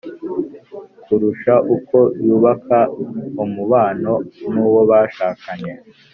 kurusha uko yubaka umubano n’uwo bashakanye.